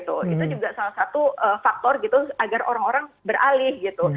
itu juga salah satu faktor gitu agar orang orang beralih gitu